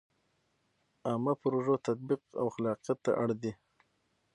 عامه پروژو تطبیق او خلاقیت ته اړ دی.